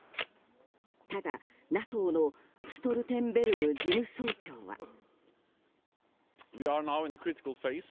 ただ、ＮＡＴＯのストルテンベルグ事務総長は。